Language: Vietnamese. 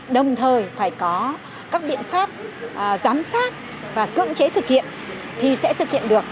đồng thời phải có các biện pháp giám sát và cưỡng chế thực hiện thì sẽ thực hiện được